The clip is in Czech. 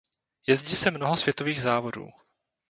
Jezdí se mnoho světových závodů.